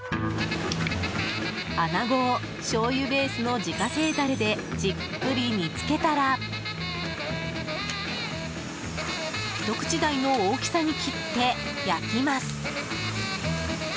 アナゴを、しょうゆベースの自家製ダレでじっくり煮付けたらひと口大の大きさに切って焼きます。